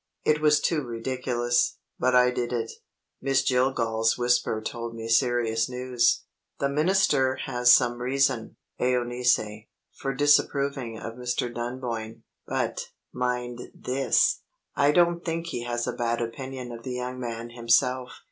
It was too ridiculous but I did it. Miss Jillgall's whisper told me serious news. "The minister has some reason, Euneece, for disapproving of Mr. Dunboyne; but, mind this, I don't think he has a bad opinion of the young man himself.